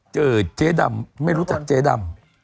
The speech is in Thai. เจอเจ๊ดำไม่รู้จักเจ๊ดำ